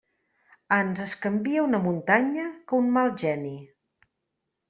Ans es canvia una muntanya que un mal geni.